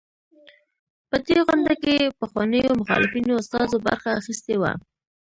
په دې غونډه کې پخوانيو مخالفینو استازو برخه اخیستې وه.